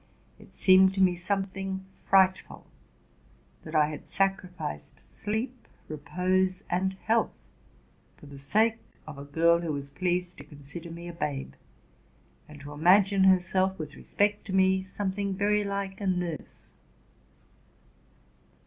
It seemed to me something frightful that I had sacrificed sleep, repose, and health for the sake of a girl who was pleased to consider me a babe, and to imagine herself, with respect to me, some thing very much like a nurse.